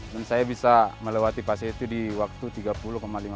dan saya bisa melewati papas itu di waktu tiga puluh lima puluh lima